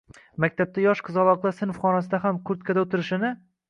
Maktablarda yosh qizaloqlar sinf xonasida ham kurtkada o‘tirishini